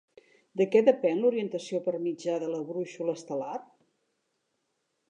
De què depèn l'orientació per mitjà de la brúixola estel·lar?